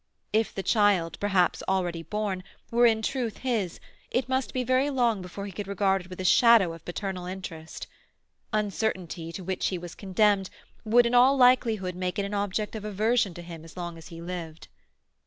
If the child, perhaps already born, were in truth his, it must be very long before he could regard it with a shadow of paternal interest; uncertainty, to which he was condemned, would in all likelihood make it an object of aversion to him as long as he lived.